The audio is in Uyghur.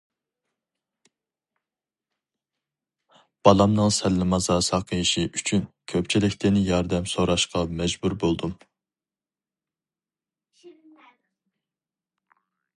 بالامنىڭ سەللىمازا ساقىيىشى ئۈچۈن كۆپچىلىكتىن ياردەم سوراشقا مەجبۇر بولدۇم.